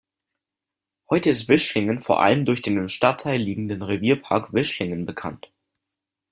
Heute ist Wischlingen vor allem durch den im Stadtteil liegenden Revierpark Wischlingen bekannt.